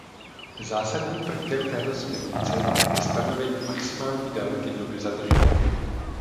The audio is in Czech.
Zásadním prvkem této směrnice je stanovení maximální délky doby zadržení.